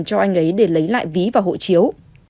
cho anh ấy để lấy lại ví và hộ chiếu